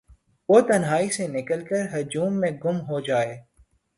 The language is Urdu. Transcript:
وہ تنہائی سے نکل کرہجوم میں گم ہوجائے